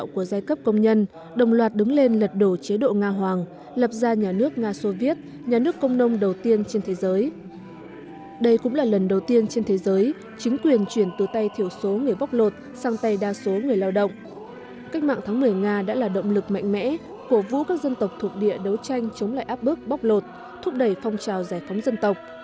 cách mạng tháng một mươi nga đã là động lực mạnh mẽ cổ vũ các dân tộc thuộc địa đấu tranh chống lại áp bức bóc lột thúc đẩy phong trào giải phóng dân tộc